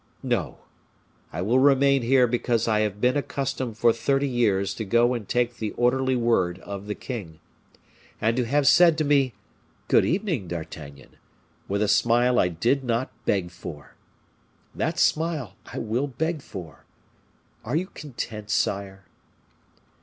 No. I will remain here because I have been accustomed for thirty years to go and take the orderly word of the king, and to have said to me 'Good evening, D'Artagnan,' with a smile I did not beg for. That smile I will beg for! Are you content, sire?"